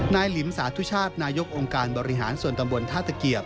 หลิมสาธุชาตินายกองค์การบริหารส่วนตำบลท่าตะเกียบ